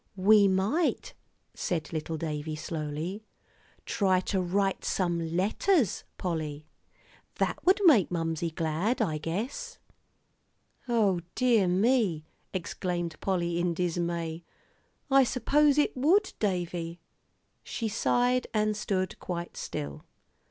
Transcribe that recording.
"We might," said little David, slowly, "try to write some letters, Polly. That would make Mamsie glad, I guess." "O dear me," exclaimed Polly, in dismay, "I suppose it would, Davie." She sighed, and stood quite still.